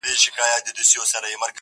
ماته ژړا نه راځي کله چي را یاد کړم هغه,